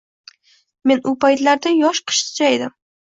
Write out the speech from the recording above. Men u paytlarda yosh qizcha edim